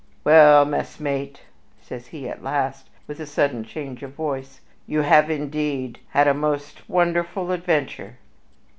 "Well, messmate," says he, at last, with a sudden change of voice, "you have, indeed, had a most wonderful adventure."